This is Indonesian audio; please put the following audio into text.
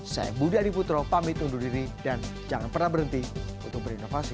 saya budi adiputro pamit undur diri dan jangan pernah berhenti untuk berinovasi